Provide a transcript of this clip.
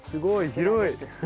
広い！